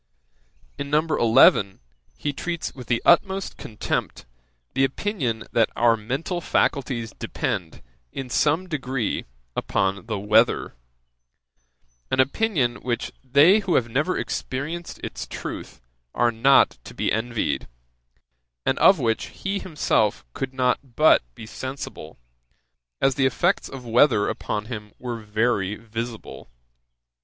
In No. 11, he treats with the utmost contempt the opinion that our mental faculties depend, in some degree, upon the weather; an opinion, which they who have never experienced its truth are not to be envied; and of which he himself could not but be sensible, as the effects of weather upon him were very visible.